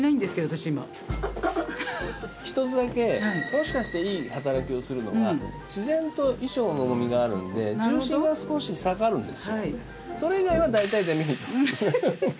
一つだけもしかしていい働きをするのが自然と衣装の重みがあるので重心が少し下がるんですよ。